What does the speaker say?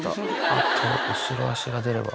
あとは後ろ足が出れば。